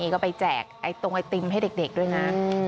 ก็ไปแจกตรงไอติมให้เด็กด้วยนะ